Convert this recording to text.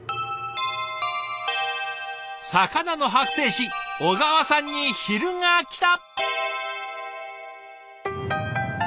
魚の剥製師小川さんに昼がきた。